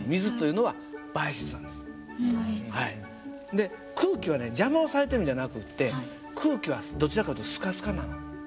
で空気は邪魔をされているんじゃなくて空気はどちらかというとスカスカなの。